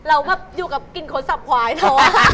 เราแบบอยู่กับกินขนสับขวายเนอะ